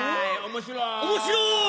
面白い！